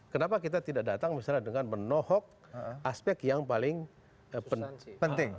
kenapa kita tidak datang misalnya dengan menohok aspek yang paling penting